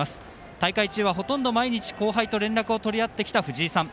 大会中は、ほとんど毎日後輩と連絡を取り合ってきた藤井さん。